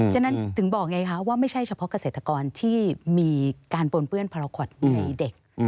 ฉะนั้นถึงบอกไงคะว่าไม่ใช่เฉพาะเกษตรกรที่มีการปนเปื้อนพาราคอตในเด็ก